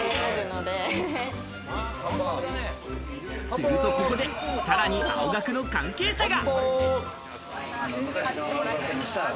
するとここで、さらに青学の関係者が。